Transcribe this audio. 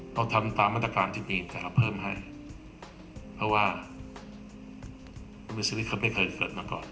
เราทำตามมาตรการที่มีแต่เราเพิ่มให้เพราะว่ามีซีรีส์เค้าไม่เคยเกิดมาก่อน